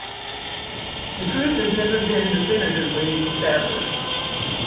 The truth has never been definitively established.